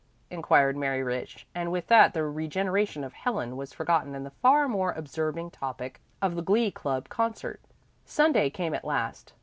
inquired Mary Rich, and with that the regeneration of Helen was forgotten in the far more absorbing topic of the Glee Club concert. Sunday came at last.